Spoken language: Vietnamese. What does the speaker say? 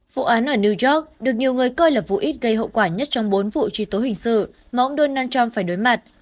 vụ án ở new york được nhiều người coi là vụ ít gây hậu quả nhất trong bốn vụ truy tố hình sự mà ông donald trump phải đối mặt